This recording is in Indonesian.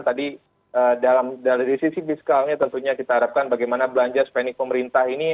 tadi dari sisi fiskalnya tentunya kita harapkan bagaimana belanja spending pemerintah ini